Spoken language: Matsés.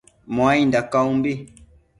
Muainda caumbi